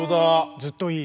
ずっといい。